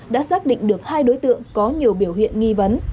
đã xác định được hai đối tượng có nhiều biểu hiện nghi vấn